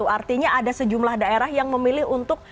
artinya ada sejumlah daerah yang memilih untuk